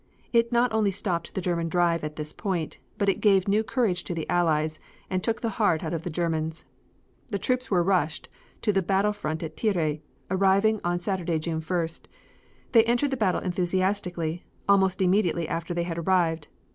It not only stopped the German Drive at this point, but it gave new courage to the Allies and took the heart out of the Germans. The troops were rushed to the battle front at Thierry, arriving on Saturday, June 1st. They entered the battle enthusiastically, almost immediately after they had arrived.